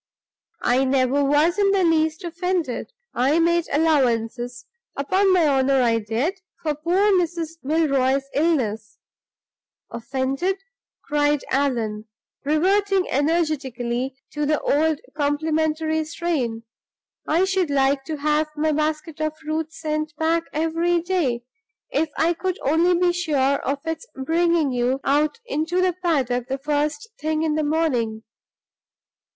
"I never was in the least offended; I made allowances upon my honor I did for poor Mrs. Milroy's illness. Offended!" cried Allan, reverting energetically to the old complimentary strain. "I should like to have my basket of fruit sent back every day if I could only be sure of its bringing you out into the paddock the first thing in the morning."